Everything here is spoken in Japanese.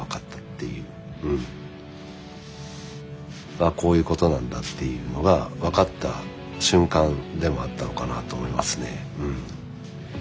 あっこういうことなんだっていうのが分かった瞬間でもあったのかなと思いますね。